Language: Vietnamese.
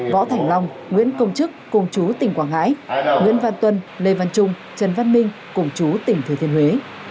võ thành long nguyễn công chức cùng chú tỉnh quảng ngãi nguyễn văn tuân lê văn trung trần văn minh cùng chú tỉnh thừa thiên huế